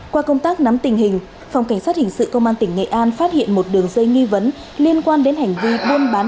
qua công tác nắm tình hình phòng cảnh sát hình sự công an tỉnh nghệ an phát hiện một đường dây nghi vấn liên quan đến hành vi buôn bán